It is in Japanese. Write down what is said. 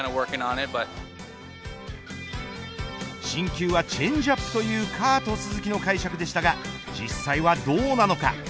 新球はチェンジアップというカート・スズキの解釈でしたが実際はどうなのか。